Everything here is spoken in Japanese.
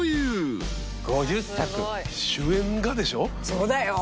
そうだよ。